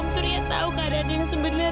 kamu sudah kemudian manis ya ida